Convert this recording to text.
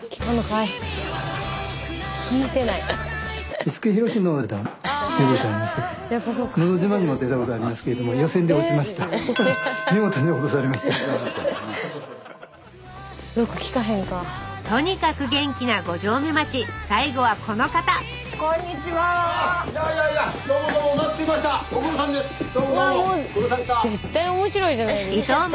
わあもう絶対面白いじゃないですか。